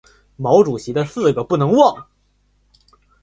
毛主席的四个不能忘！